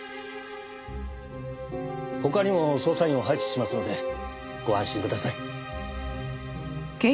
他にも捜査員を配置しますのでご安心ください。